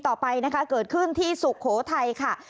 ต้นเกิดขึ้นที่สุโขทัยค่ะ